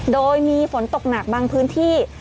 โดยมีฝนตกหนักบางพื้นที่